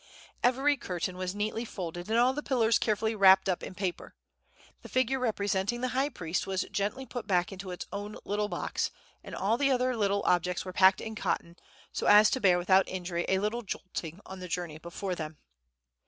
Every curtain was neatly folded, and all the pillars carefully wrapped up in paper. The figure representing the high priest was gently put back into its own little box, and all the other little objects were packed in cotton, so as to bear without injury a little jolting on the journey before them.